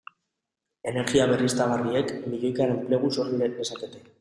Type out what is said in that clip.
Energia berriztagarriek milioika enplegu sor lezakete.